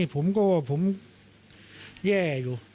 ผมก็ว่าผมแย่อยู่